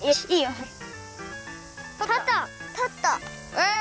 うん！